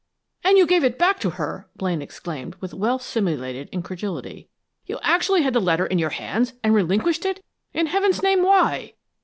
"And you gave it back to her!" Blaine exclaimed, with well simulated incredulity. "You actually had the letter in your hands, and relinquished it? In heaven's name, why?"